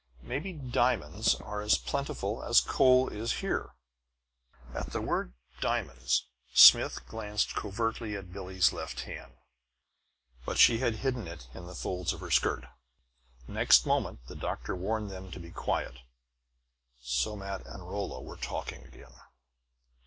Maybe diamonds are as plentiful as coal is here." At the word "diamonds" Smith glanced covertly at Billie's left hand. But she had hidden it in the folds of her skirt. Next moment the doctor warned them to be quiet; Somat and Rolla were talking again.